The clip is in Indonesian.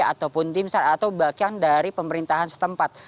ataupun timsar atau bahkan dari pemerintahan setempat